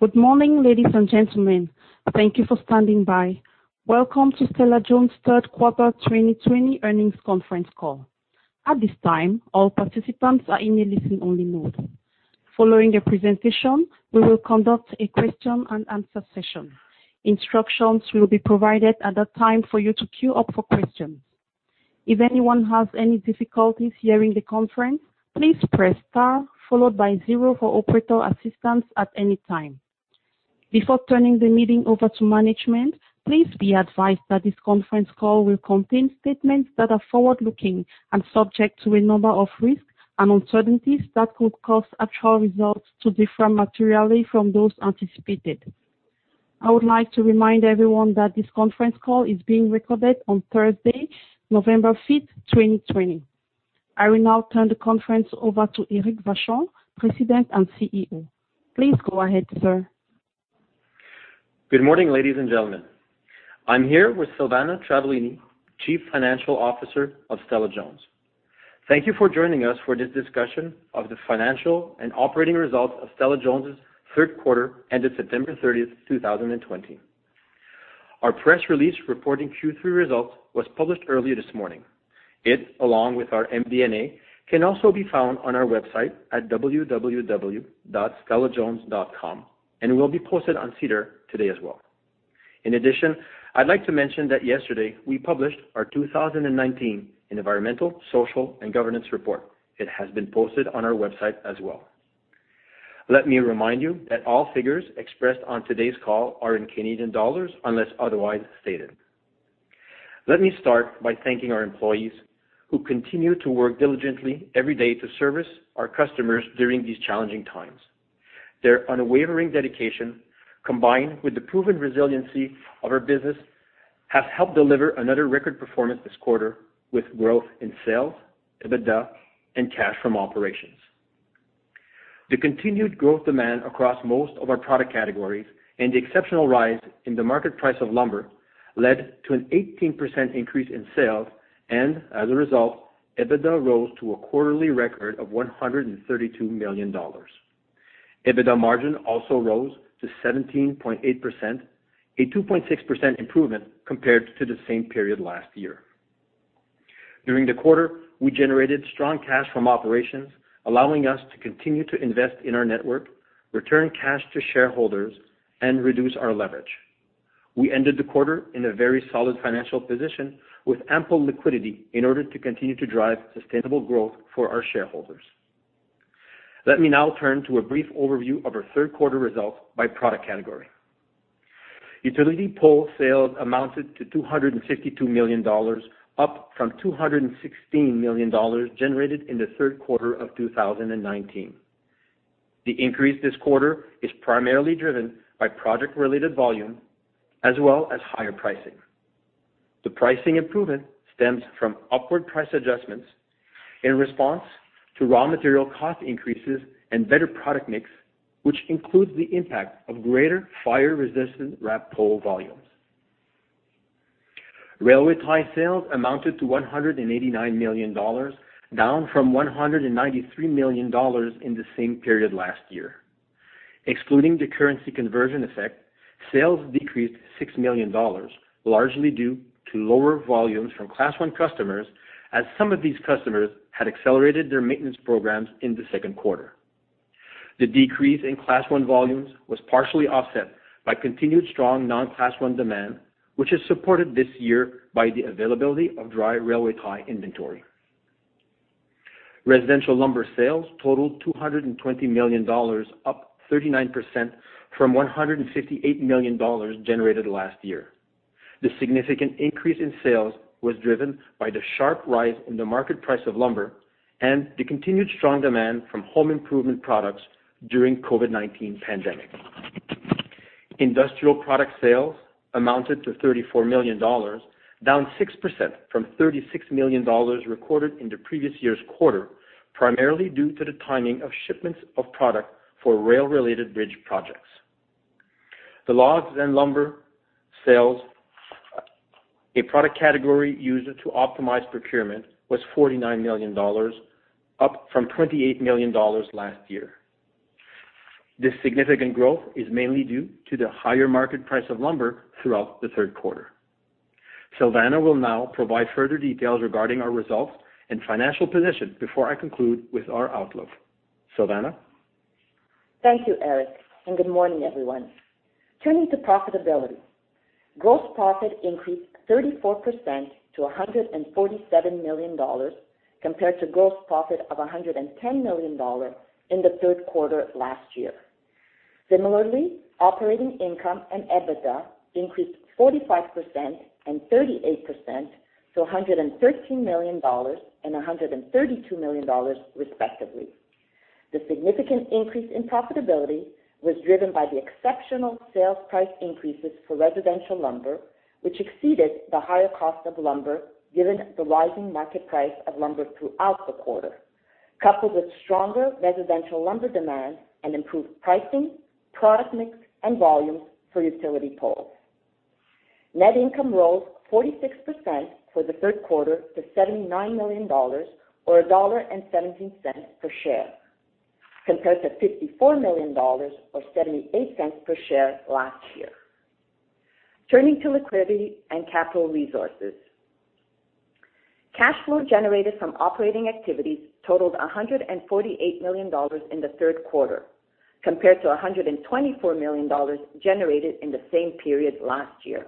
Good morning, ladies and gentlemen. Thank you for standing by. Welcome to Stella-Jones' Q3 2020 earnings conference call. At this time, all participants are in a listen-only mode. Following the presentation, we will conduct a question and answer session. Instructions will be provided at that time for you to queue up for questions. If anyone has any difficulties hearing the conference, please press star followed by zero for operator assistance at any time. Before turning the meeting over to management, please be advised that this conference call will contain statements that are forward-looking and subject to a number of risks and uncertainties that could cause actual results to differ materially from those anticipated. I would like to remind everyone that this conference call is being recorded on Thursday, 5 November 2020. I will now turn the conference over to Éric Vachon, President and Chief Executive Officer. Please go ahead, sir. Good morning, ladies and gentlemen. I'm here with Silvana Travaglini, Chief Financial Officer of Stella-Jones. Thank you for joining us for this discussion of the financial and operating results of Stella-Jones' Q3 ended 30 September 2020. Our press release reporting Q3 results was published earlier this morning. It, along with our MD&A, can also be found on our website at www.stellajones.com and will be posted on SEDAR today as well. In addition, I'd like to mention that yesterday we published our 2019 Environmental, Social and Governance report. It has been posted on our website as well. Let me remind you that all figures expressed on today's call are in Canadian dollars unless otherwise stated. Let me start by thanking our employees, who continue to work diligently every day to service our customers during these challenging times. Their unwavering dedication, combined with the proven resiliency of our business, has helped deliver another record performance this quarter, with growth in sales, EBITDA, and cash from operations. The continued growth demand across most of our product categories and the exceptional rise in the market price of lumber led to an 18% increase in sales and, as a result, EBITDA rose to a quarterly record of 132 million dollars. EBITDA margin also rose to 17.8%, a 2.6% improvement compared to the same period last year. During the quarter, we generated strong cash from operations, allowing us to continue to invest in our network, return cash to shareholders, and reduce our leverage. We ended the quarter in a very solid financial position with ample liquidity in order to continue to drive sustainable growth for our shareholders. Let me now turn to a brief overview of our Q3 results by product category. Utility pole sales amounted to 252 million dollars, up from 216 million dollars generated in the Q3 of 2019. The increase this quarter is primarily driven by project-related volume as well as higher pricing. The pricing improvement stems from upward price adjustments in response to raw material cost increases and better product mix, which includes the impact of greater fire-resistant wrapped pole volumes. Railway tie sales amounted to 189 million dollars, down from 193 million dollars in the same period last year. Excluding the currency conversion effect, sales decreased 6 million dollars, largely due to lower volumes from Class I customers, as some of these customers had accelerated their maintenance programs in the Q2. The decrease in Class I volumes was partially offset by continued strong non-Class I demand, which is supported this year by the availability of dry railway tie inventory. Residential lumber sales totaled 220 million dollars, up 39% from 158 million dollars generated last year. The significant increase in sales was driven by the sharp rise in the market price of lumber and the continued strong demand from home improvement products during COVID-19 pandemic. Industrial product sales amounted to 34 million dollars, down 6% from 36 million dollars recorded in the previous year's quarter, primarily due to the timing of shipments of product for rail-related bridge projects. The Logs and lumber sales, a product category used to optimize procurement, was 49 million dollars, up from 28 million dollars last year. This significant growth is mainly due to the higher market price of lumber throughout the Q3. Silvana will now provide further details regarding our results and financial position before I conclude with our outlook. Silvana? Thank you, Eric. Good morning, everyone. Turning to profitability. Gross profit increased 34% to 147 million dollars compared to gross profit of 110 million dollars in the Q3 last year. Similarly, operating income and EBITDA increased 45% and 38% to 113 million dollars and 132 million dollars respectively. The significant increase in profitability was driven by the exceptional sales price increases for residential lumber, which exceeded the higher cost of lumber given the rising market price of lumber throughout the quarter, coupled with stronger residential lumber demand and improved pricing, product mix, and volumes for utility poles. Net income rose 46% for the Q3 to 79 million dollars, or 1.17 dollar per share, compared to 54 million dollars or 0.78 per share last year. Turning to liquidity and capital resources. Cash flow generated from operating activities totaled 148 million dollars in the Q3, compared to 124 million dollars generated in the same period last year.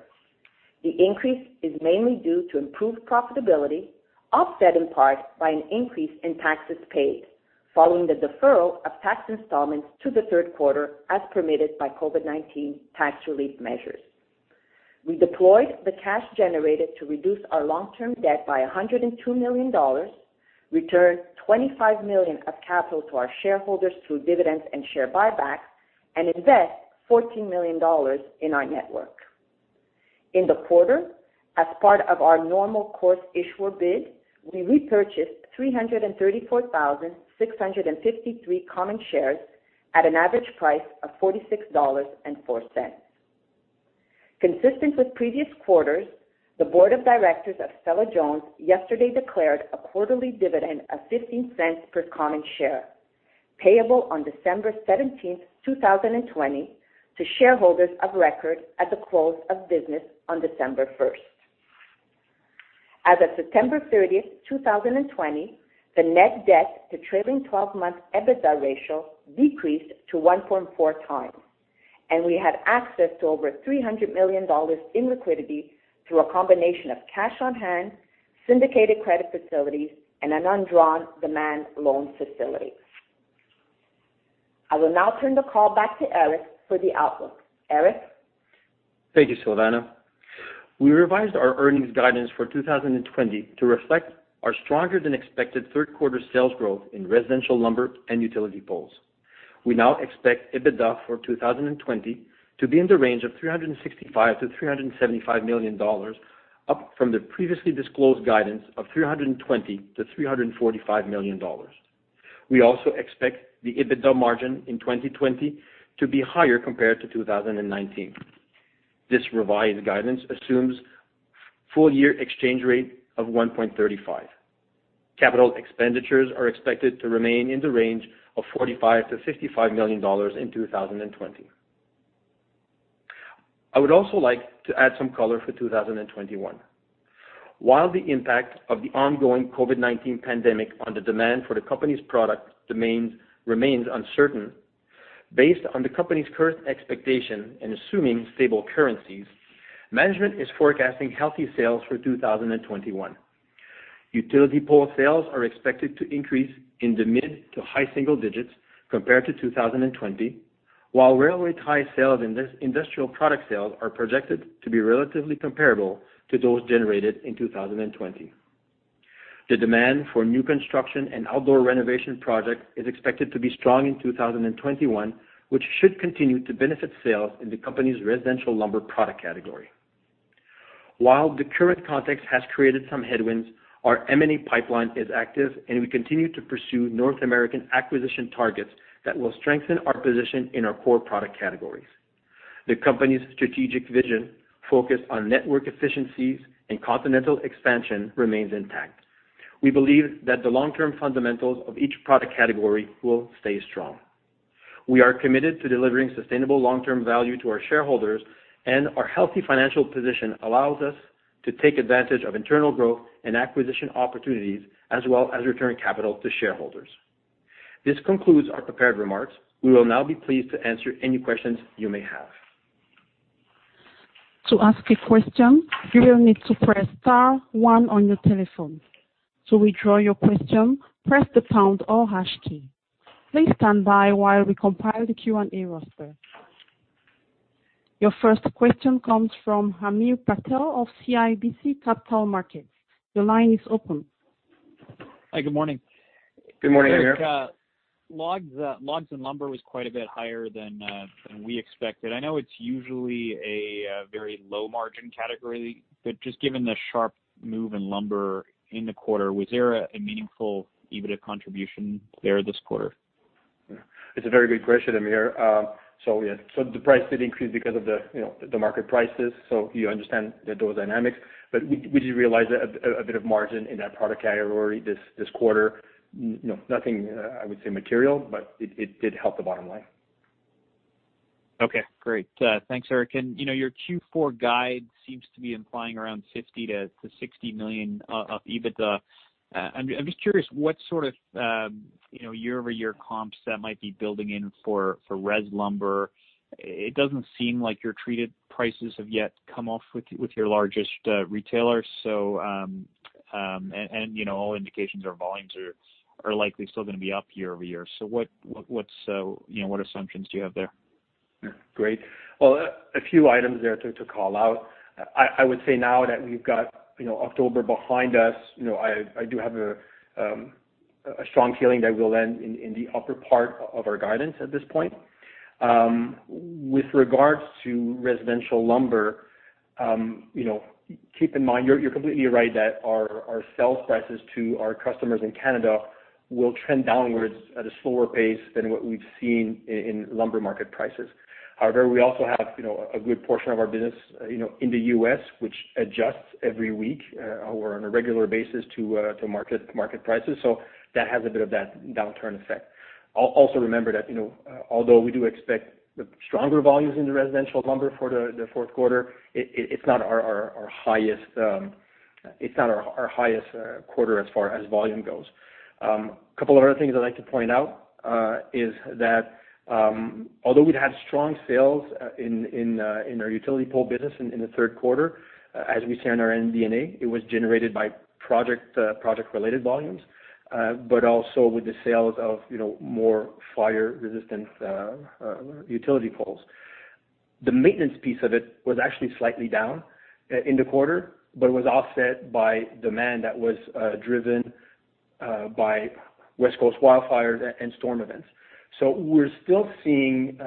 The increase is mainly due to improved profitability, offset in part by an increase in taxes paid following the deferral of tax installments to the Q3, as permitted by COVID-19 tax relief measures. We deployed the cash generated to reduce our long-term debt by 102 million dollars, returned 25 million of capital to our shareholders through dividends and share buybacks, and invest 14 million dollars in our network. In the quarter, as part of our normal course issuer bid, we repurchased 334,653 common shares at an average price of 46.04 dollars. Consistent with previous quarters, the board of directors of Stella-Jones yesterday declared a quarterly dividend of 0.15 per common share, payable on 17 December 2020, to shareholders of record at the close of business on 1 December. As of 30 September 2020, the net debt to trailing 12-month EBITDA ratio decreased to 1.4 times, and we had access to over 300 million dollars in liquidity through a combination of cash on hand, syndicated credit facilities, and an undrawn demand loan facility. I will now turn the call back to Éric for the outlook. Éric? Thank you, Silvana. We revised our earnings guidance for 2020 to reflect our stronger than expected Q3 sales growth in residential lumber and utility poles. We now expect EBITDA for 2020 to be in the range of 365 million-375 million dollars, up from the previously disclosed guidance of 320 million-345 million dollars. We also expect the EBITDA margin in 2020 to be higher compared to 2019. This revised guidance assumes full year exchange rate of 1.35. Capital expenditures are expected to remain in the range of 45 million-55 million dollars in 2020. I would also like to add some color for 2021. While the impact of the ongoing COVID-19 pandemic on the demand for the company's product remains uncertain, based on the company's current expectation and assuming stable currencies, management is forecasting healthy sales for 2021. Utility pole sales are expected to increase in the mid to high single digits compared to 2020, while railway tie sales and industrial product sales are projected to be relatively comparable to those generated in 2020. The demand for new construction and outdoor renovation projects is expected to be strong in 2021, which should continue to benefit sales in the company's residential lumber product category. While the current context has created some headwinds, our M&A pipeline is active, and we continue to pursue North American acquisition targets that will strengthen our position in our core product categories. The company's strategic vision focused on network efficiencies and continental expansion remains intact. We believe that the long-term fundamentals of each product category will stay strong. We are committed to delivering sustainable long-term value to our shareholders, and our healthy financial position allows us to take advantage of internal growth and acquisition opportunities, as well as return capital to shareholders. This concludes our prepared remarks. We will now be pleased to answer any questions you may have. Your first question comes from Hamir Patel of CIBC Capital Markets. Hi, good morning. Good morning, Hamir. Eric, logs and lumber was quite a bit higher than we expected. I know it's usually a very low-margin category, but just given the sharp move in lumber in the quarter, was there a meaningful EBITDA contribution there this quarter? It's a very good question, Hamir. Yeah, the price did increase because of the market prices. You understand those dynamics, but we did realize a bit of margin in that product category this quarter. Nothing I would say material, but it did help the bottom line. Okay, great. Thanks, Éric. Your Q4 guide seems to be implying around 50 million-60 million of EBITDA. I'm just curious what sort of year-over-year comps that might be building in for res lumber. It doesn't seem like your treated prices have yet come off with your largest retailer. All indications are volumes are likely still going to be up year-over-year. What assumptions do you have there? Great. Well, a few items there to call out. I would say now that we've got October behind us, I do have a strong feeling that we'll land in the upper part of our guidance at this point. With regards to residential lumber, keep in mind, you're completely right that our sales prices to our customers in Canada will trend downwards at a slower pace than what we've seen in lumber market prices. However, we also have a good portion of our business in the U.S., which adjusts every week or on a regular basis to market prices, so that has a bit of that downturn effect. Also remember that although we do expect stronger volumes in the residential lumber for the Q4, it's not our highest quarter as far as volume goes. Couple of other things I'd like to point out is that, although we'd had strong sales in our utility pole business in the Q3, as we say in our MD&A, it was generated by project-related volumes, but also with the sales of more fire-resistant utility poles. The maintenance piece of it was actually slightly down in the quarter, but was offset by demand that was driven by West Coast wildfires and storm events. We're still seeing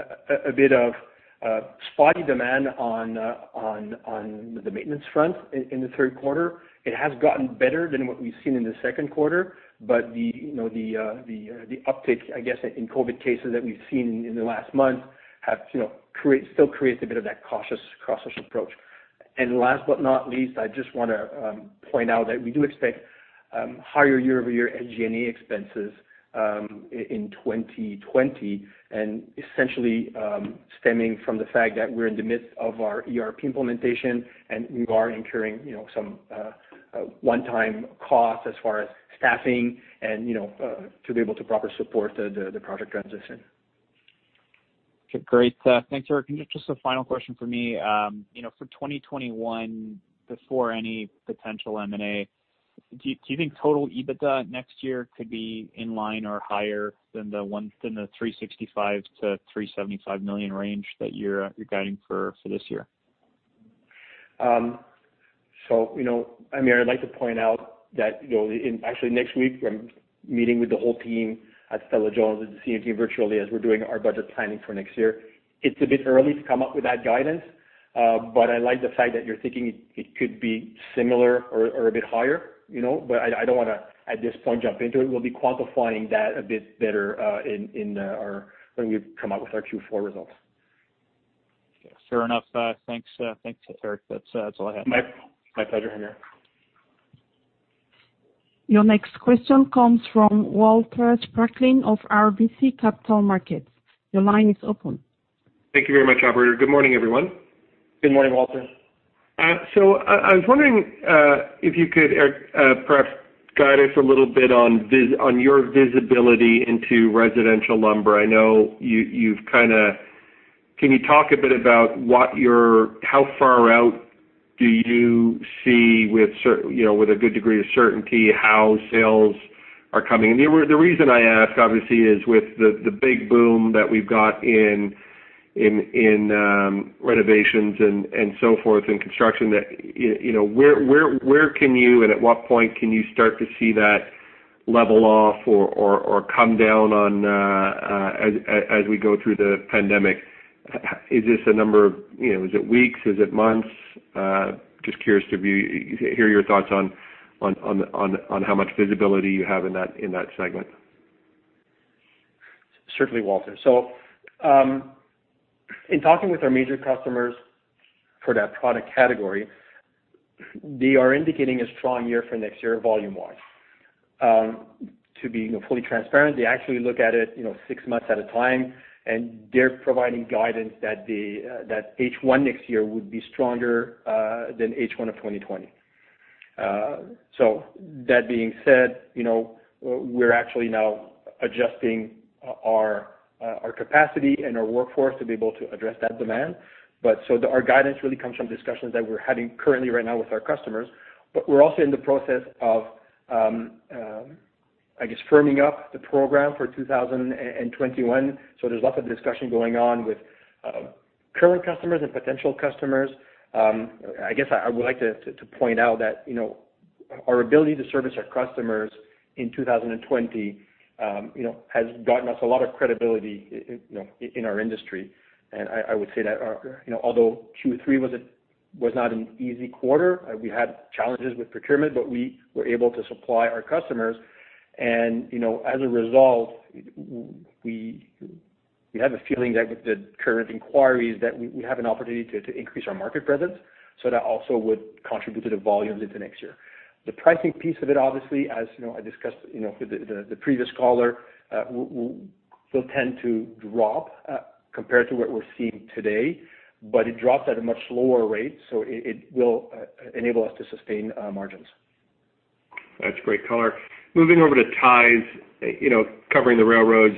a bit of spotty demand on the maintenance front in the Q3. It has gotten better than what we've seen in the Q2, but the uptick, I guess, in COVID cases that we've seen in the last month still creates a bit of that cautious approach. Last but not least, I just want to point out that we do expect higher year-over-year SG&A expenses in 2020, and essentially stemming from the fact that we're in the midst of our ERP implementation and are incurring some one-time costs as far as staffing and to be able to properly support the project transition. Okay, great. Thanks, Eric. Just a final question from me. For 2021, before any potential M&A, do you think total EBITDA next year could be in line or higher than the 365 million-375 million range that you're guiding for this year? Hamir, I'd like to point out that actually next week I'm meeting with the whole team at Stella-Jones and [CMT] virtually as we're doing our budget planning for next year. It's a bit early to come up with that guidance, I like the fact that you're thinking it could be similar or a bit higher. I don't want to, at this point, jump into it. We'll be quantifying that a bit better when we come out with our Q4 results. Okay. Fair enough. Thanks Eric, that's all I had. My pleasure, Hamir. Your next question comes from Walter Spracklin of RBC Capital Markets. Your line is open. Thank you very much, operator. Good morning, everyone. Good morning, Walter. I was wondering if you could, Éric, perhaps guide us a little bit on your visibility into residential lumber? Can you talk a bit about how far out do you see with a good degree of certainty how sales are coming? The reason I ask, obviously, is with the big boom that we've got in renovations and so forth in construction, where can you and at what point can you start to see that level off or come down as we go through the pandemic? Is it weeks? Is it months? Just curious to hear your thoughts on how much visibility you have in that segment. Certainly, Walter. In talking with our major customers for that product category, they are indicating a strong year for next year volume wise. To be fully transparent, they actually look at it six months at a time, they're providing guidance that H1 next year would be stronger than H1 of 2020. That being said, we're actually now adjusting our capacity and our workforce to be able to address that demand. Our guidance really comes from discussions that we're having currently right now with our customers. We're also in the process of, I guess, firming up the program for 2021. There's lots of discussion going on with current customers and potential customers. I guess I would like to point out that our ability to service our customers in 2020 has gotten us a lot of credibility in our industry. I would say that although Q3 was not an easy quarter, we had challenges with procurement, but we were able to supply our customers. As a result, we have a feeling that with the current inquiries, that we have an opportunity to increase our market presence. That also would contribute to the volumes into next year. The pricing piece of it, obviously, as I discussed with the previous caller, will tend to drop compared to what we're seeing today, but it drops at a much lower rate, so it will enable us to sustain margins. That's great color. Moving over to railway ties, covering the railroads,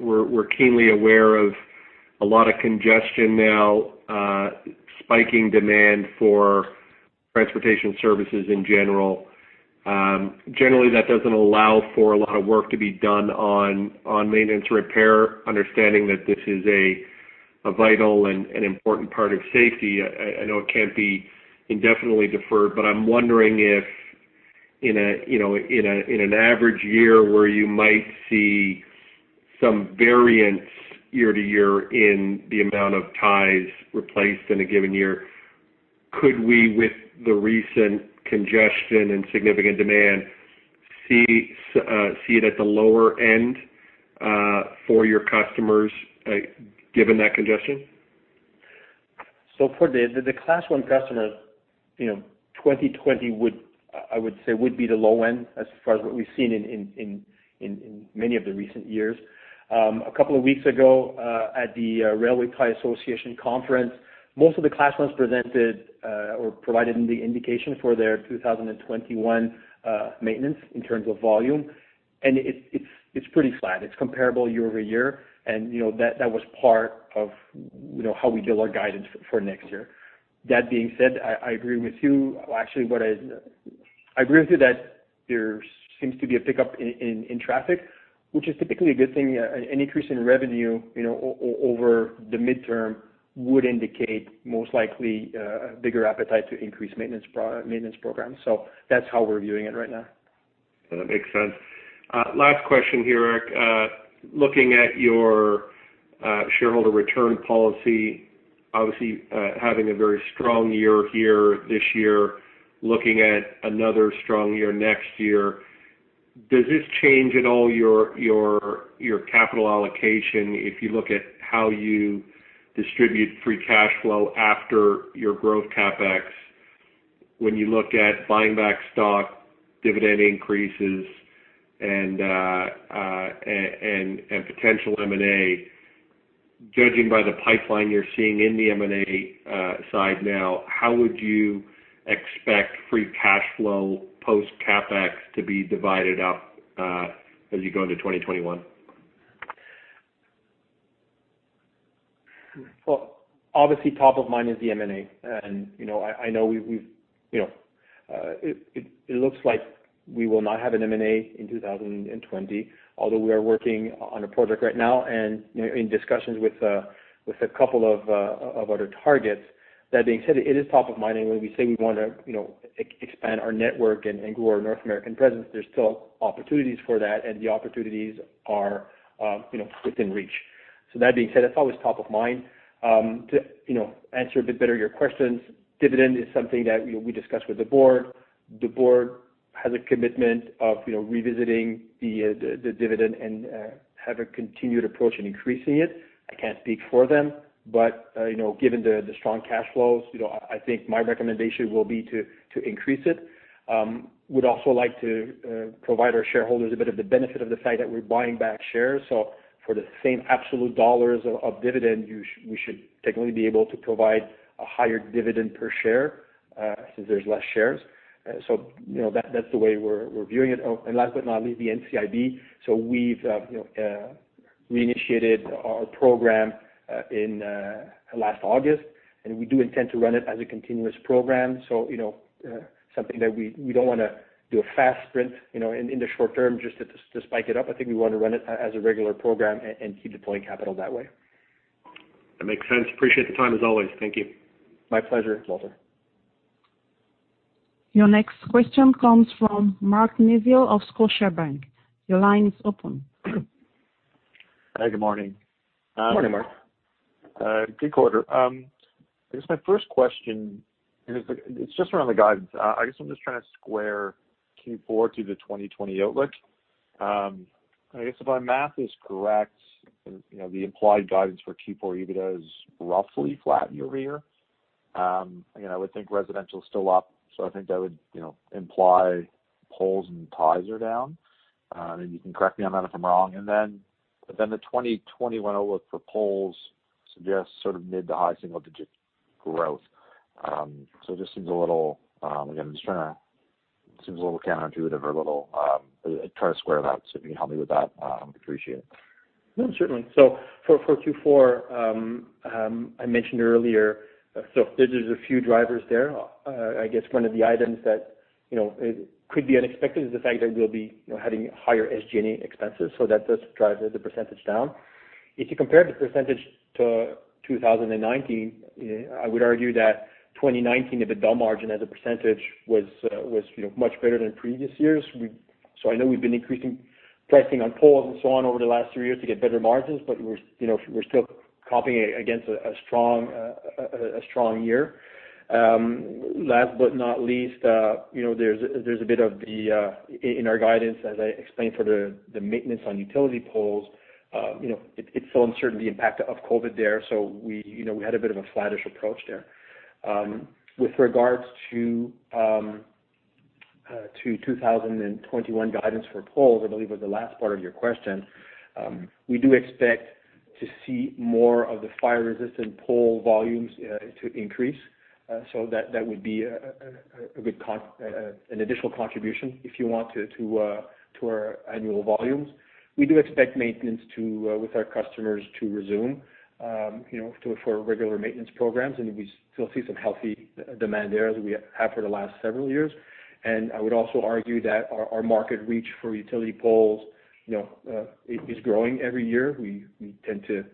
we're keenly aware of a lot of congestion now, spiking demand for transportation services in general. Generally, that doesn't allow for a lot of work to be done on maintenance repair. Understanding that this is a vital and important part of safety, I know it can't be indefinitely deferred, but I'm wondering if in an average year where you might see some variance year to year in the amount of railway ties replaced in a given year. Could we, with the recent congestion and significant demand, see it at the lower end for your customers given that congestion? For the Class I customers, 2020, I would say, would be the low end as far as what we've seen in many of the recent years. A couple of weeks ago, at the Railway Tie Association Conference, most of the Class I presented or provided the indication for their 2021 maintenance in terms of volume, and it's pretty flat. It's comparable year-over-year, and that was part of how we build our guidance for next year. That being said, I agree with you that there seems to be a pickup in traffic, which is typically a good thing. An increase in revenue over the midterm would indicate most likely a bigger appetite to increase maintenance programs. That's how we're viewing it right now. That makes sense. Last question here, Eric. Looking at your shareholder return policy, obviously, having a very strong year here this year, looking at another strong year next year, does this change at all your capital allocation if you look at how you distribute free cash flow after your growth CapEx when you look at buying back stock, dividend increases, and potential M&A? Judging by the pipeline you're seeing in the M&A side now, how would you expect free cash flow post CapEx to be divided up as you go into 2021? Well, obviously top of mind is the M&A. I know it looks like we will not have an M&A in 2020, although we are working on a project right now in discussions with a couple of other targets. That being said, it is top of mind. When we say we want to expand our network and grow our North American presence, there's still opportunities for that. The opportunities are within reach. That being said, that's always top of mind. To answer a bit better your questions, dividend is something that we discuss with the board. The board has a commitment of revisiting the dividend and have a continued approach in increasing it. I can't speak for them. Given the strong cash flows, I think my recommendation will be to increase it. We'd also like to provide our shareholders a bit of the benefit of the fact that we're buying back shares. For the same absolute dollars of dividend, we should technically be able to provide a higher dividend per share since there's less shares. That's the way we're viewing it. Last but not least, the NCIB. We've reinitiated our program in last August, and we do intend to run it as a continuous program. Something that we don't want to do a fast sprint in the short term just to spike it up. I think we want to run it as a regular program and keep deploying capital that way. That makes sense. Appreciate the time, as always. Thank you. My pleasure, Walter. Your next question comes from Mark Neville of Scotiabank. Your line is open. Hi. Good morning. Morning, Mark. Good quarter. I guess my first question is just around the guidance. I guess I'm just trying to square Q4 to the 2020 outlook. I guess if my math is correct, the implied guidance for Q4 EBITDA is roughly flat year-over-year. I would think residential is still up, so I think that would imply poles and ties are down, and you can correct me on that if I'm wrong. The 2021 outlook for poles suggests sort of mid to high single-digit growth. It just seems a little counterintuitive. I try to square that, so if you can help me with that, I'd appreciate it. No, certainly. For Q4, I mentioned earlier, there's a few drivers there. I guess one of the items that could be unexpected is the fact that we'll be having higher SG&A expenses, so that does drive the percentage down. If you compare the percentage to 2019, I would argue that 2019, the EBITDA margin as a percentage was much better than previous years. I know we've been increasing pricing on poles and so on over the last three years to get better margins, but we're still competing against a strong year. Last but not least, there's a bit of the, in our guidance, as I explained for the maintenance on utility poles, it's still uncertain the impact of COVID there. We had a bit of a flattish approach there. With regards to 2021 guidance for poles, I believe was the last part of your question, we do expect to see more of the fire-resistant wrapped pole volumes to increase. That would be an additional contribution, if you want, to our annual volumes. We do expect maintenance with our customers to resume for regular maintenance programs, and we still see some healthy demand there as we have for the last several years. I would also argue that our market reach for utility poles is growing every year. We tend to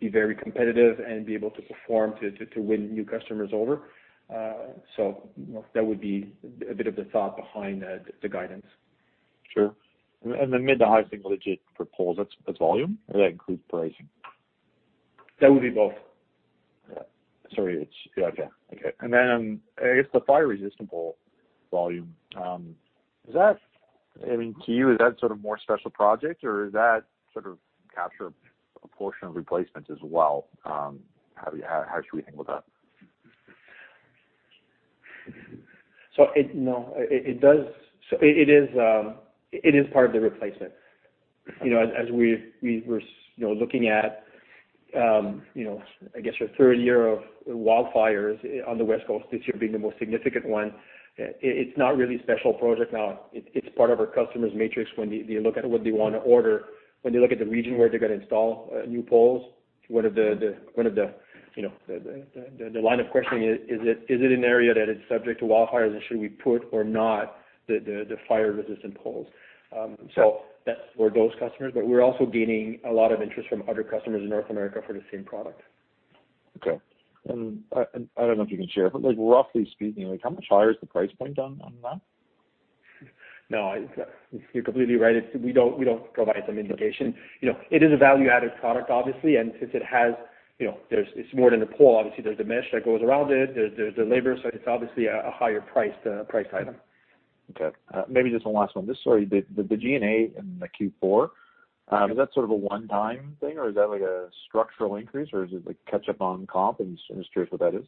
be very competitive and be able to perform to win new customers over. That would be a bit of the thought behind the guidance. Sure. The mid to high single-digit for poles, that's volume or that includes pricing? That would be both. Yeah. Sorry. Yeah. Okay. I guess the fire-resistant pole volume, to you, is that sort of more special project or does that sort of capture a portion of replacement as well? How should we think about that? No. It is part of the replacement. As we were looking at your third year of wildfires on the West Coast, this year being the most significant one, it's not really special project now. It's part of our customer's matrix when they look at what they want to order, when they look at the region where they're going to install new poles, one of the line of questioning is it an area that is subject to wildfires and should we put or not the fire-resistant poles? That's for those customers, but we're also gaining a lot of interest from other customers in North America for the same product. Okay. I don't know if you can share, but roughly speaking, how much higher is the price point on that? No, you're completely right. We don't provide them indication. It is a value-added product, obviously. Since it's more than a pole, obviously, there's a mesh that goes around it. There's the labor. It's obviously a higher-priced item. Okay. Maybe just one last one. The G&A in the Q4, is that sort of a one-time thing, or is that a structural increase, or is it catch up on comp in terms of what that is?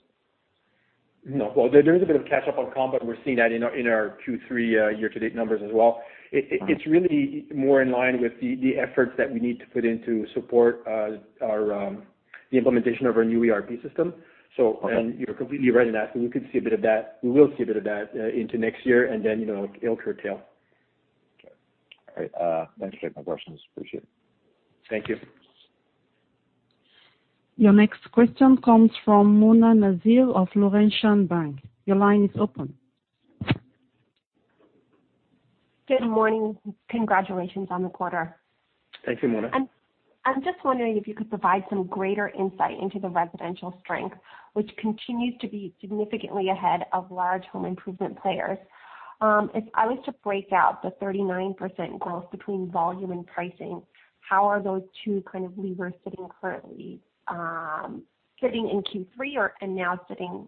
No. Well, there is a bit of catch up on comp, but we're seeing that in our Q3 year-to-date numbers as well. It's really more in line with the efforts that we need to put in to support the implementation of our new ERP system. Okay You're completely right in that. We could see a bit of that. We will see a bit of that into next year, and then it'll curtail. Okay. All right. Thanks for taking my questions. Appreciate it. Thank you. Your next question comes from Mona Nazir of Laurentian Bank. Your line is open. Good morning. Congratulations on the quarter. Thank you, Mona. I'm just wondering if you could provide some greater insight into the residential strength, which continues to be significantly ahead of large home improvement players. If I was to break out the 39% growth between volume and pricing, how are those two kind of levers sitting currently, sitting in Q3 and now sitting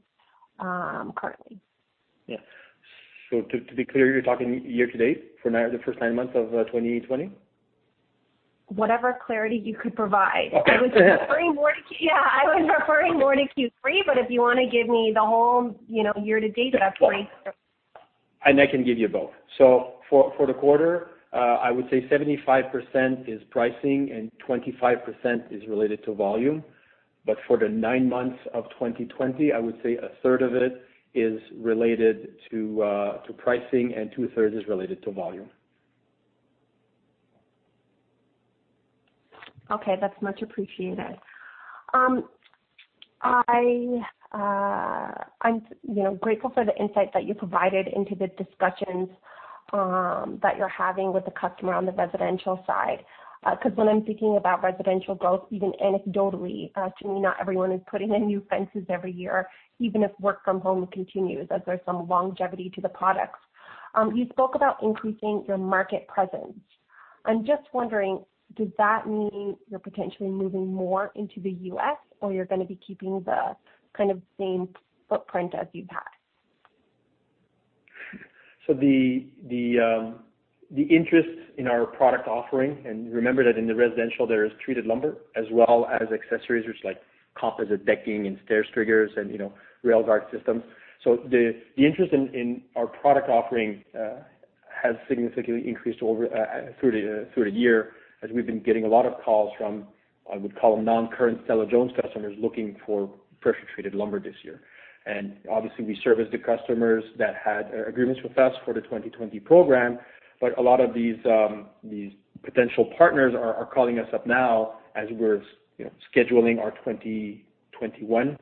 currently? Yeah. To be clear, you're talking year to date for the first nine months of 2020? Whatever clarity you could provide. Okay. Yeah. I was referring more to Q3, but if you want to give me the whole year to date, that's fine. I can give you both. For the quarter, I would say 75% is pricing and 25% is related to volume. For the nine months of 2020, I would say a third of it is related to pricing and two-thirds is related to volume. Okay. That's much appreciated. I'm grateful for the insights that you provided into the discussions that you're having with the customer on the residential side. When I'm thinking about residential growth, even anecdotally, to me, not everyone is putting in new fences every year, even if work from home continues as there's some longevity to the products. You spoke about increasing your market presence. I'm just wondering, does that mean you're potentially moving more into the U.S. or you're going to be keeping the kind of same footprint as you've had? The interest in our product offering, and remember that in the residential there is treated lumber as well as accessories, which, like composite decking and stair stringers and rail guard systems. The interest in our product offering has significantly increased through the year as we've been getting a lot of calls from, I would call them non-current Stella-Jones customers looking for pressure-treated lumber this year. Obviously we serviced the customers that had agreements with us for the 2020 program. A lot of these potential partners are calling us up now as we're scheduling our 2021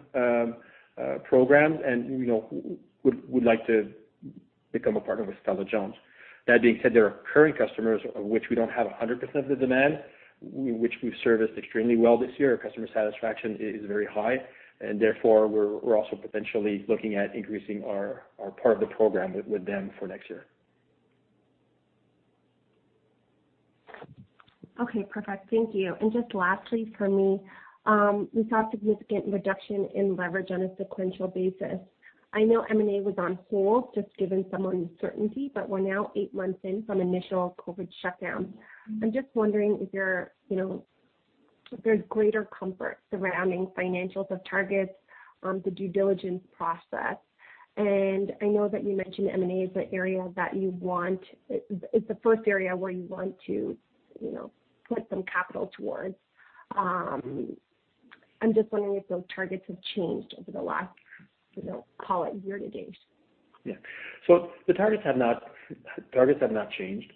programs and would like to become a partner with Stella-Jones. That being said, there are current customers of which we don't have 100% of the demand, which we've serviced extremely well this year. Our customer satisfaction is very high, and therefore we're also potentially looking at increasing our part of the program with them for next year. Okay, perfect. Thank you. Just lastly for me, we saw significant reduction in leverage on a sequential basis. I know M&A was on hold, just given some uncertainty, but we're now eight months in from initial COVID-19 shutdown. I'm just wondering if there's greater comfort surrounding financials of targets on the due diligence process. I know that you mentioned M&A is the first area where you want to put some capital towards. I'm just wondering if those targets have changed over the last, call it year to date. The targets have not changed.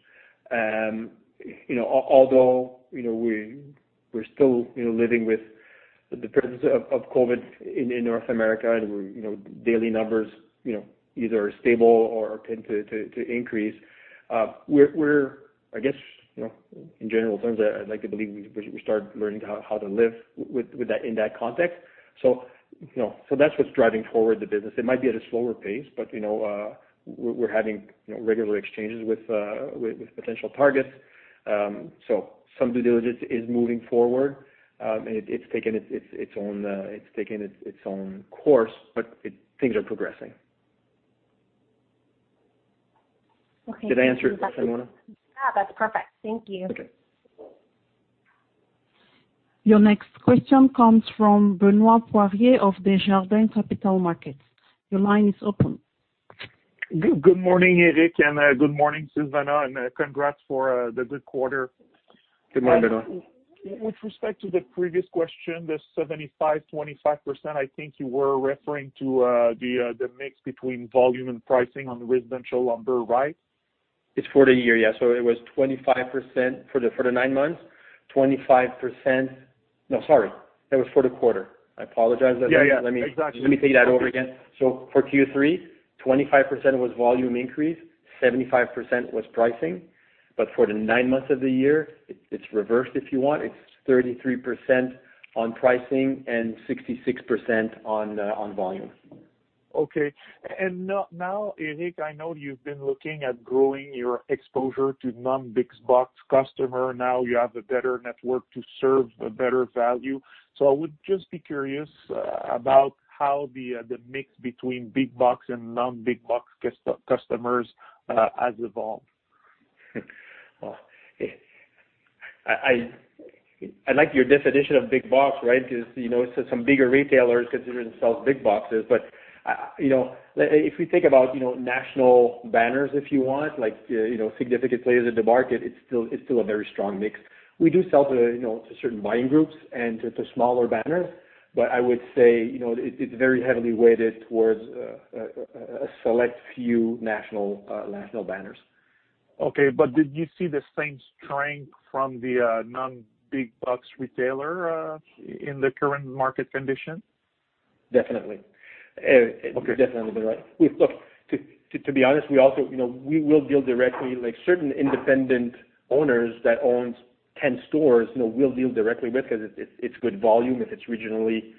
Although we're still living with the presence of COVID in North America and daily numbers either are stable or tend to increase. I guess, in general terms, I'd like to believe we started learning how to live in that context. That's what's driving forward the business. It might be at a slower pace, but we're having regular exchanges with potential targets. Some due diligence is moving forward, and it's taken its own course, but things are progressing. Okay. Did I answer, Silvana? Yeah, that's perfect. Thank you. Your next question comes from Benoit Poirier of Desjardins Capital Markets. Your line is open. Good morning, Éric, and good morning, Silvana, and congrats for the good quarter. Good morning, Benoit. With respect to the previous question, the 75/25%, I think you were referring to the mix between volume and pricing on residential lumber, right? It's for the year, yeah. It was 25% for the nine months. No, sorry, that was for the quarter. I apologize. Yeah. Exactly. Let me say that over again. For Q3, 25% was volume increase, 75% was pricing. For the nine months of the year, it's reversed if you want. It's 33% on pricing and 66% on volume. Okay. Now, Éric, I know you've been looking at growing your exposure to non-big box customer. Now you have a better network to serve a better value. I would just be curious about how the mix between big box and non-big box customers has evolved. I like your definition of big box, right? Because some bigger retailers consider themselves big boxes. If we think about national banners, if you want, like significant players in the market, it's still a very strong mix. We do sell to certain buying groups and to smaller banners. I would say, it's very heavily weighted towards a select few national banners. Okay, did you see the same strength from the non-big box retailer in the current market condition? Definitely. Okay. Definitely, Benoit. Look, to be honest, Like certain independent owners that owns 10 stores, we'll deal directly with because it's good volume, if it's regionally-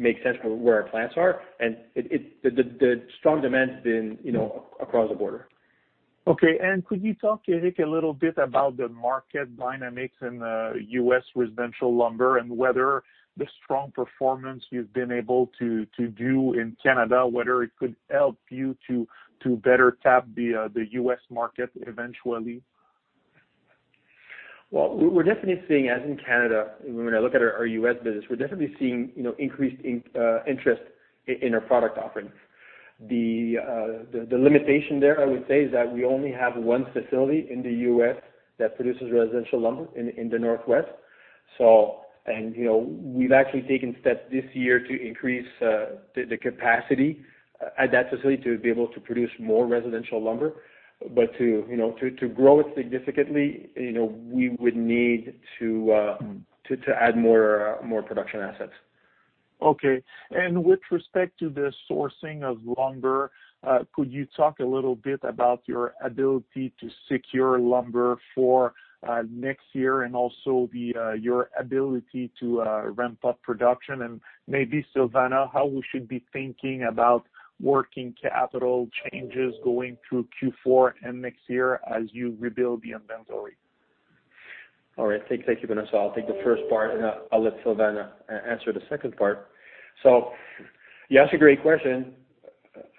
makes sense for where our plants are. The strong demand's been across the border. Okay. Could you talk, Eric, a little bit about the market dynamics in the U.S. residential lumber, and whether the strong performance you've been able to do in Canada, whether it could help you to better tap the U.S. market eventually? We're definitely seeing, as in Canada, when I look at our U.S. business, we're definitely seeing increased interest in our product offerings. The limitation there, I would say, is that we only have one facility in the U.S. that produces residential lumber in the Northwest. We've actually taken steps this year to increase the capacity at that facility to be able to produce more residential lumber. To grow it significantly, we would need to add more production assets. Okay. With respect to the sourcing of lumber, could you talk a little bit about your ability to secure lumber for next year and also your ability to ramp up production? Maybe Silvana, how we should be thinking about working capital changes going through Q4 and next year as you rebuild the inventory? All right. Thank you, Benoit. I'll take the first part, and I'll let Silvana answer the second part. You ask a great question,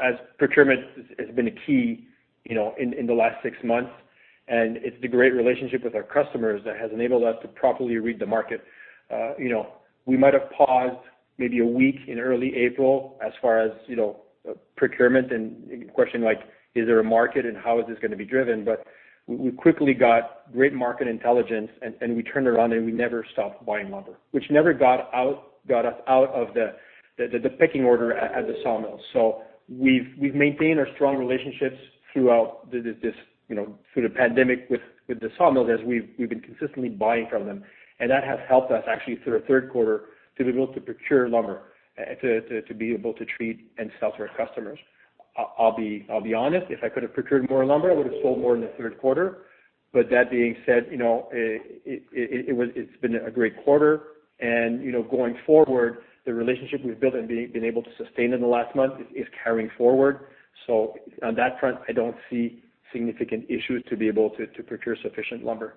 as procurement has been a key in the last six months, and it's the great relationship with our customers that has enabled us to properly read the market. We might have paused maybe a week in early April as far as procurement and questioning like, "Is there a market, and how is this going to be driven?" We quickly got great market intelligence, and we turned around, and we never stopped buying lumber. Which never got us out of the pecking order at the sawmill. We've maintained our strong relationships throughout the pandemic with the sawmill, as we've been consistently buying from them. That has helped us actually through the Q3 to be able to procure lumber, to be able to treat and sell to our customers. I'll be honest, if I could have procured more lumber, I would've sold more in the Q3. That being said, it's been a great quarter. Going forward, the relationship we've built and been able to sustain in the last month is carrying forward. On that front, I don't see significant issues to be able to procure sufficient lumber.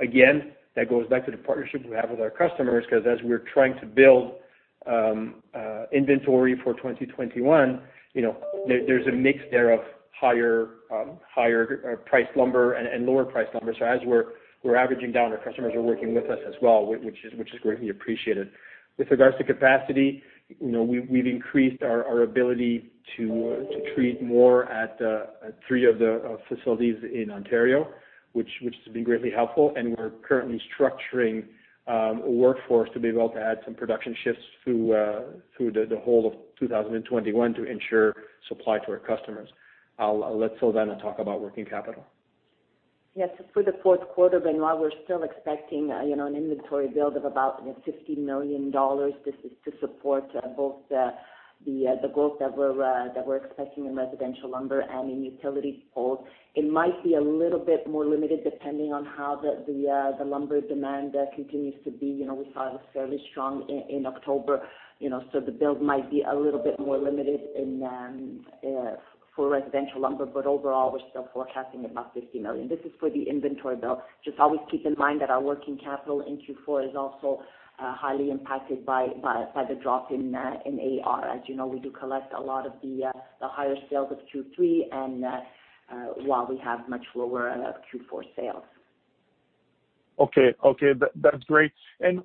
Again, that goes back to the partnership we have with our customers because as we're trying to build inventory for 2021, there's a mix there of higher-priced lumber and lower-priced lumber. As we're averaging down, our customers are working with us as well, which is greatly appreciated. With regards to capacity, we've increased our ability to treat more at three of the facilities in Ontario, which has been greatly helpful, and we're currently structuring a workforce to be able to add some production shifts through the whole of 2021 to ensure supply to our customers. I'll let Silvana talk about working capital. Yes. For the Q4, Benoit, we're still expecting an inventory build of about 50 million dollars. The growth that we're expecting in residential lumber and in utility poles, it might be a little bit more limited depending on how the lumber demand continues to be. We saw it was fairly strong in October, the build might be a little bit more limited for residential lumber, overall, we're still forecasting about 50 million. This is for the inventory build. Just always keep in mind that our working capital in Q4 is also highly impacted by the drop in AR. As you know, we do collect a lot of the higher sales of Q3 and while we have much lower Q4 sales. Okay. That's great.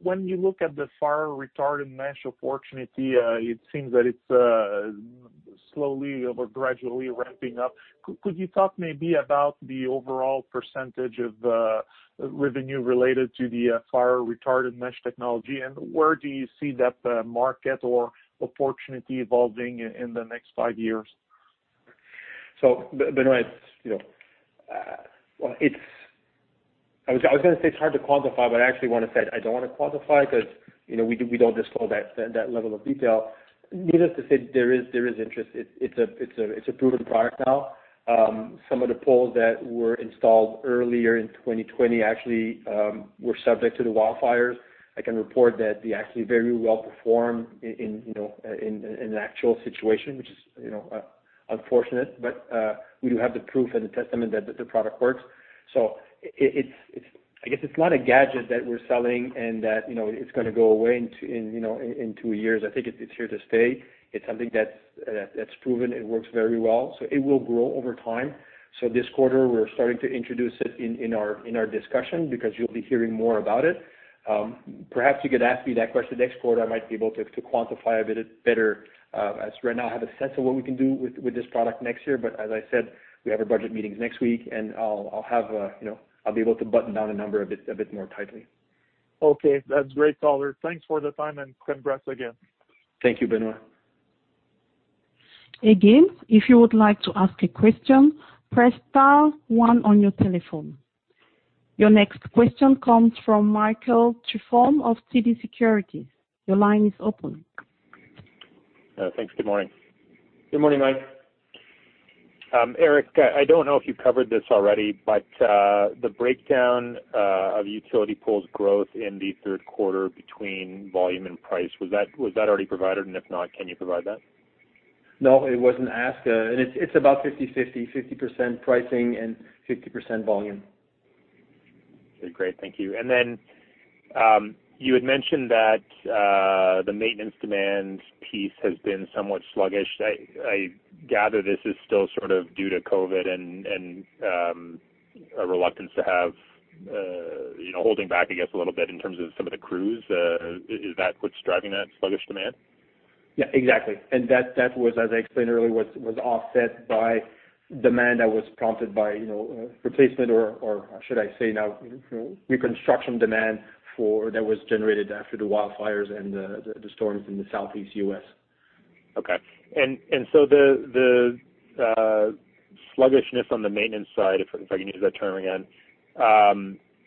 When you look at the fire retardant mesh opportunity, it seems that it's slowly or gradually ramping up. Could you talk maybe about the overall percentage of revenue related to the fire retardant mesh technology, and where do you see that market or opportunity evolving in the next five years? Benoit, I was going to say it's hard to quantify, but I actually want to say I don't want to quantify because we don't disclose that level of detail. Needless to say, there is interest. It's a proven product now. Some of the poles that were installed earlier in 2020 actually were subject to the wildfires. I can report that they actually very well performed in an actual situation, which is unfortunate, but we do have the proof and the testament that the product works. I guess it's not a gadget that we're selling and that it's going to go away in two years. I think it's here to stay. It's something that's proven. It works very well, so it will grow over time. This quarter, we're starting to introduce it in our discussion because you'll be hearing more about it. Perhaps you could ask me that question next quarter. I might be able to quantify a bit better as right now I have a sense of what we can do with this product next year. As I said, we have our budget meetings next week, and I'll be able to button down a number a bit more tightly. Okay. That's great, Eric. Thanks for the time and congrats again. Thank you, Benoit. Again, if you would like to ask a question, press star one on your telephone. Your next question comes from Michael Tupholme of TD Securities. Your line is open. Thanks. Good morning. Good morning, Mike. Éric, I don't know if you covered this already, but the breakdown of utility poles growth in the Q3 between volume and price, was that already provided? If not, can you provide that? No, it wasn't asked. It's about 50/50% pricing and 50% volume. Okay, great. Thank you. You had mentioned that the maintenance demand piece has been somewhat sluggish. I gather this is still sort of due to COVID and a reluctance to hold back, I guess, a little bit in terms of some of the crews. Is that what's driving that sluggish demand? Yeah, exactly. That was, as I explained earlier, was offset by demand that was prompted by replacement or should I say now reconstruction demand that was generated after the wildfires and the storms in the southeast U.S. Okay. The sluggishness on the maintenance side, if I can use that term again,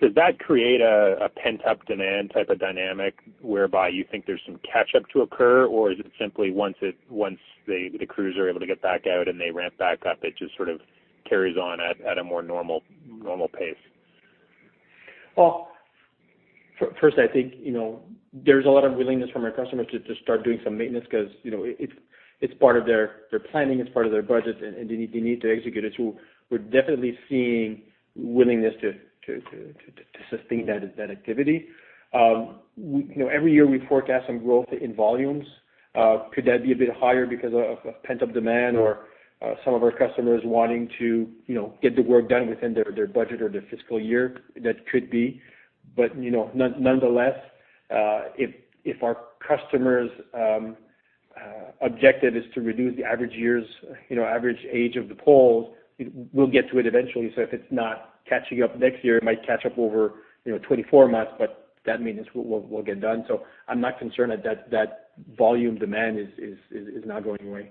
does that create a pent-up demand type of dynamic whereby you think there's some catch up to occur? Is it simply once the crews are able to get back out and they ramp back up, it just sort of carries on at a more normal pace? Well, first, I think, there's a lot of willingness from our customers to start doing some maintenance because it's part of their planning, it's part of their budget, and they need to execute it, so we're definitely seeing willingness to sustain that activity. Every year, we forecast some growth in volumes. Could that be a bit higher because of pent-up demand or some of our customers wanting to get the work done within their budget or their fiscal year? That could be. Nonetheless, if our customer's objective is to reduce the average age of the poles, we'll get to it eventually. If it's not catching up next year, it might catch up over 24 months, but that maintenance will get done. I'm not concerned that volume demand is not going away.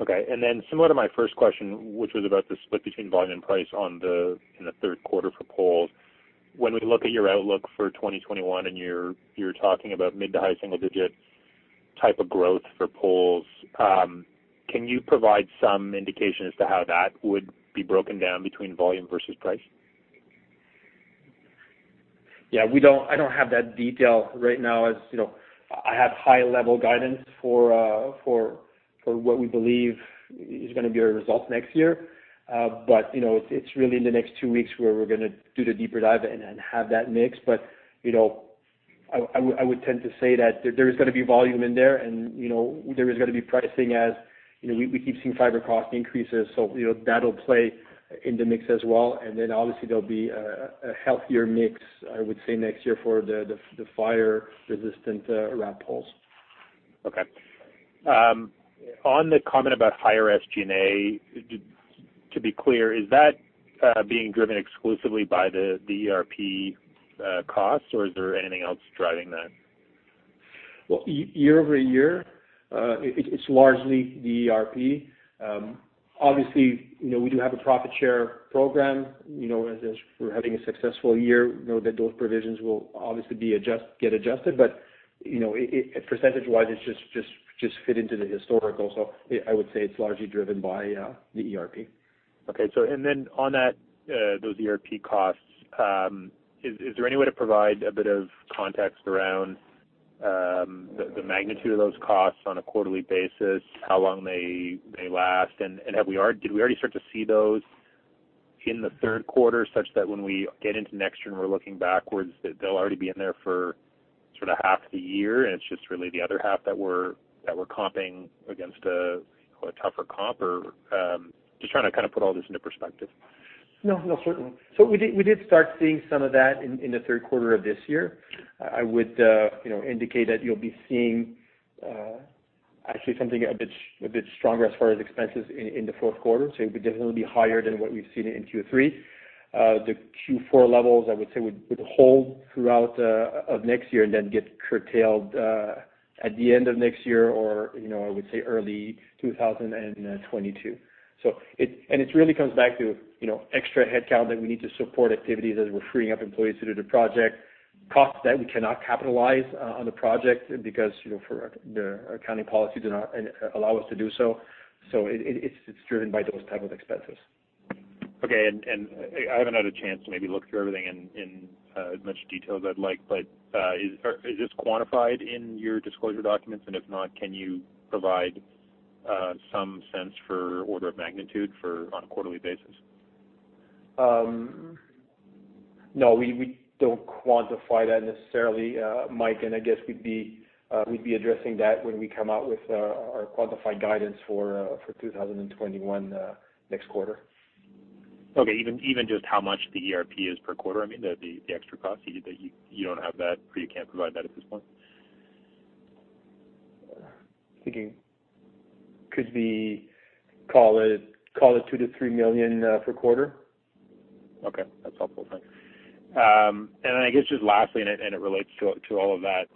Okay. Similar to my first question, which was about the split between volume and price in the Q3 for poles. When we look at your outlook for 2021, you're talking about mid-to-high single-digit type of growth for poles, can you provide some indication as to how that would be broken down between volume versus price? Yeah, I don't have that detail right now. I have high-level guidance for what we believe is going to be our results next year. It's really in the next two weeks where we're going to do the deeper dive and have that mix. I would tend to say that there is going to be volume in there and there is going to be pricing as we keep seeing fiber cost increases, so that'll play in the mix as well. Obviously, there'll be a healthier mix, I would say, next year for the fire-resistant wrapped pole. Okay. On the comment about higher SG&A, to be clear, is that being driven exclusively by the ERP costs or is there anything else driving that? Well, year-over-year, it's largely the ERP. Obviously, we do have a profit share program. As we're having a successful year, know that those provisions will obviously get adjusted, but percentage-wise, it just fit into the historical. I would say it's largely driven by the ERP. Okay. On those ERP costs, is there any way to provide a bit of context around the magnitude of those costs on a quarterly basis, how long they last, and did we already start to see those in the Q3, such that when we get into next year and we're looking backwards, that they'll already be in there for sort of half the year, and it's just really the other half that we're comping against a tougher comp? Just trying to kind of put all this into perspective. No, certainly. We did start seeing some of that in the Q3 of this year. I would indicate that you'll be seeing actually something a bit stronger as far as expenses in the Q4. It would definitely be higher than what we've seen in Q3. The Q4 levels, I would say, would hold throughout of next year and then get curtailed at the end of next year or I would say early 2022. It really comes back to extra headcount that we need to support activities as we're freeing up employees to do the project, costs that we cannot capitalize on the project because the accounting policy do not allow us to do so. It's driven by those type of expenses. Okay. I haven't had a chance to maybe look through everything in as much detail as I'd like, but is this quantified in your disclosure documents? If not, can you provide some sense for order of magnitude on a quarterly basis? No, we don't quantify that necessarily, Mike, and I guess we'd be addressing that when we come out with our qualified guidance for 2021 next quarter. Okay. Even just how much the ERP is per quarter, I mean, the extra cost, you don't have that or you can't provide that at this point? Thinking. Could be, call it 2 million-3 million per quarter. Okay, that's helpful. Thanks. I guess just lastly, and it relates to all of that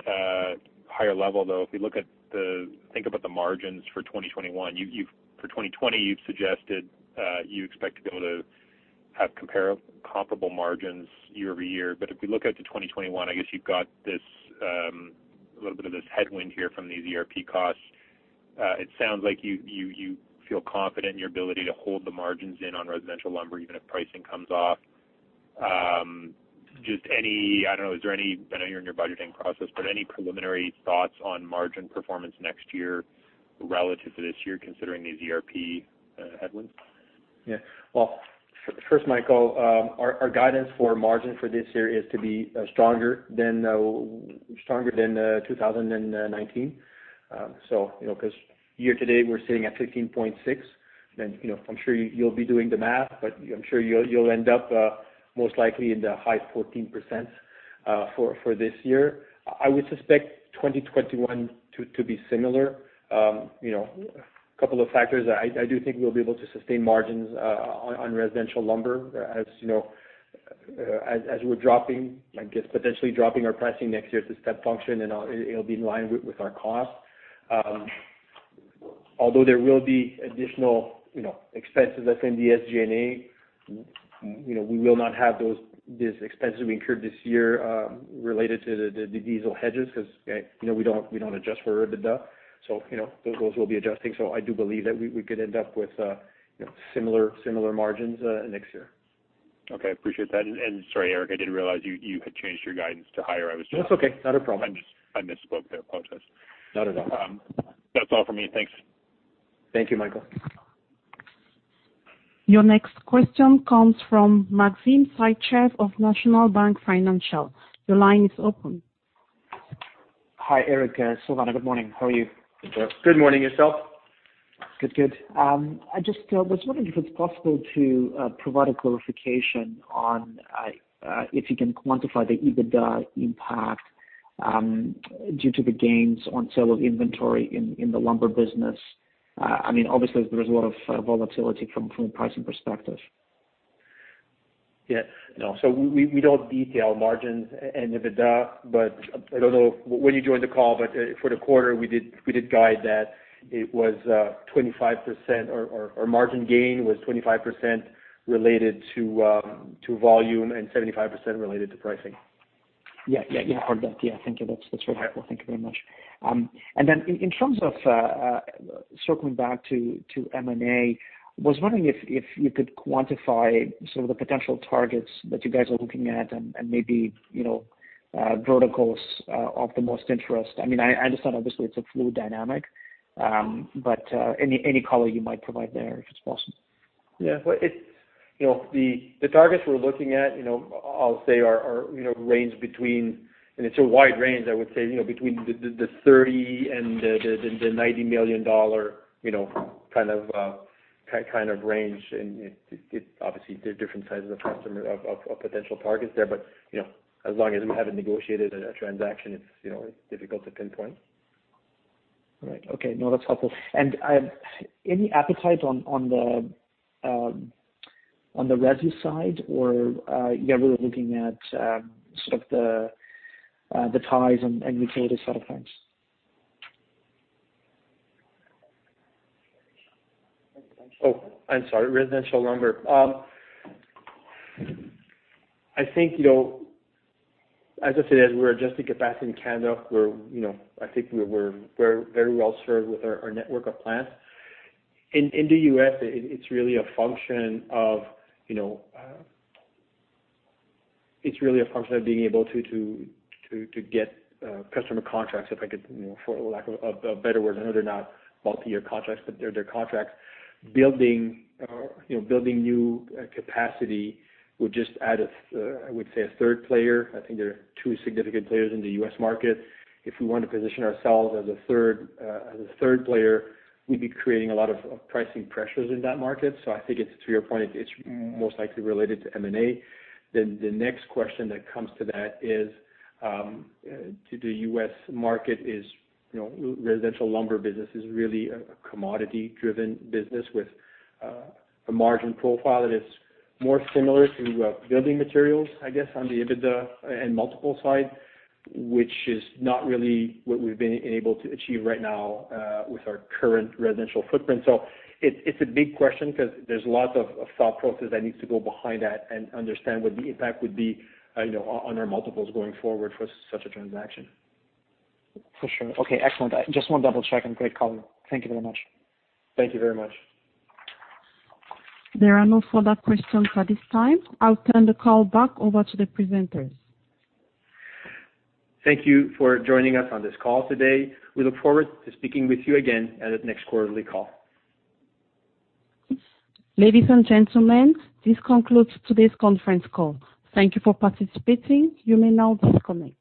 higher level, though, if we think about the margins for 2021, for 2020, you've suggested you expect to be able to have comparable margins year-over-year. If we look out to 2021, I guess you've got a little bit of this headwind here from these ERP costs. It sounds like you feel confident in your ability to hold the margins in on residential lumber, even if pricing comes off. I don't know, I know you're in your budgeting process, but any preliminary thoughts on margin performance next year relative to this year considering these ERP headwinds? Well, first, Michael, our guidance for margin for this year is to be stronger than 2019. Because year to date, we're sitting at 15.6%. I'm sure you'll be doing the math, but I'm sure you'll end up most likely in the high 14% for this year. I would suspect 2021 to be similar. A couple of factors, I do think we'll be able to sustain margins on residential lumber as we're dropping, I guess, potentially dropping our pricing next year. It's a step function, and it'll be in line with our costs. Although there will be additional expenses that's in the SG&A, we will not have these expenses we incurred this year related to the diesel hedges because we don't adjust for EBITDA. Those we'll be adjusting. I do believe that we could end up with similar margins next year. Okay, appreciate that. Sorry, Eric, I didn't realize you had changed your guidance to higher. That's okay. Not a problem. I misspoke there. Apologies. Not at all. That's all for me, thanks. Thank you, Michael. Your next question comes from Maxim Sytchev of National Bank Financial. Your line is open. Hi, Eric, Silvana. Good morning. How are you? Good morning, yourself? Good. I just was wondering if it is possible to provide a clarification on if you can quantify the EBITDA impact due to the gains on sale of inventory in the lumber business. Obviously, there is a lot of volatility from pricing perspective. Yeah. No, we don't detail margins and EBITDA, but I don't know when you joined the call, but for the quarter, we did guide that our margin gain was 25% related to volume and 75% related to pricing. Yeah. Heard that. Yeah, thank you. That is really helpful. Thank you very much. In terms of circling back to M&A, was wondering if you could quantify some of the potential targets that you guys are looking at and maybe verticals of the most interest? I understand obviously it is a fluid dynamic, but any color you might provide there if it is possible. Yeah. The targets we're looking at, I'll say range between. It's a wide range, I would say, between the 30 million and the 90 million dollar kind of range. Obviously, there are different sizes of potential targets there. As long as we haven't negotiated a transaction, it's difficult to pinpoint. Right. Okay. No, that's helpful. Any appetite on the resi side? You're really looking at sort of the ties and utility side of things? Oh, I'm sorry, residential lumber. I think, as I said, as we're adjusting capacity in Canada, I think we're very well-served with our network of plants. In the U.S., it's really a function of being able to get customer contracts, if I could, for lack of a better word. I know they're not multi-year contracts, but they're contracts. Building new capacity would just add, I would say, a third player. I think there are two significant players in the U.S. market. If we want to position ourselves as a third player, we'd be creating a lot of pricing pressures in that market. I think it's to your point, it's most likely related to M&A. The next question to the U.S. market is, residential lumber business is really a commodity-driven business with a margin profile that is more similar to building materials, I guess, on the EBITDA and multiple side, which is not really what we've been able to achieve right now with our current residential footprint. It's a big question because there's lots of thought process that needs to go behind that and understand what the impact would be on our multiples going forward for such a transaction. For sure. Okay, excellent. Just wanted to double-check and great color. Thank you very much. Thank you very much. There are no further questions at this time. I'll turn the call back over to the presenters. Thank you for joining us on this call today. We look forward to speaking with you again at our next quarterly call. Ladies and gentlemen, this concludes today's conference call. Thank you for participating. You may now disconnect.